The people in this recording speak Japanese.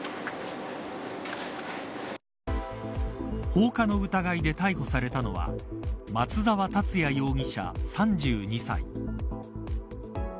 放火の疑いで逮捕されたのは松沢達也容疑者、３２歳。